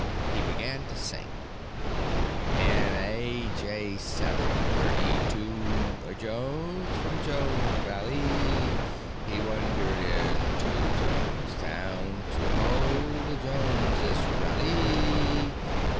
He began to sing: "In A. J. seven thirty two a Jones from Jones's Valley, He wandered into Jones's Town to hold a Jonesist Rally.